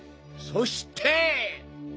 そして？